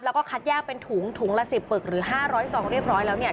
แล้วก็คัดแยกเป็นถุงถุงละ๑๐ปึกหรือ๕๐๐ซองเรียบร้อยแล้วเนี่ย